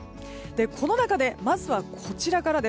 この中で、まずはこちらから。